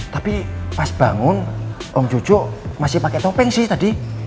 tapi pas bangun om jojo masih pakai topeng sih tadi